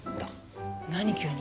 何急に？